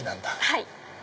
はい。